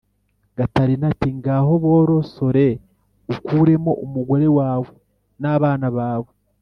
, gatarina ati: "Ngaho borosore ukuremo umugore wawe n' abana bawe